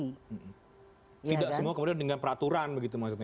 tidak semua kemudian dengan peraturan begitu maksudnya